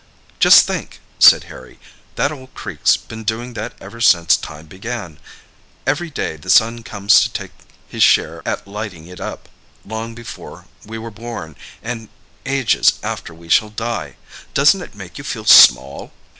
"Just think," said Harry, "that old creek's been doing that ever since time began—every day the sun comes to take his share at lighting it up, long before we were born, and ages after we shall die! Doesn't it make you feel small!"